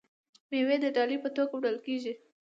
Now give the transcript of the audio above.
میوې د ډالۍ په توګه وړل کیږي.